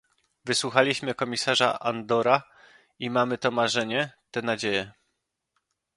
Wysłuchaliśmy komisarza Andora i mamy to marzenie, tę nadzieję